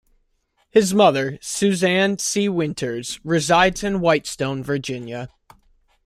His mother, Suzanne C. Winters, resides in Whitestone, Virginia.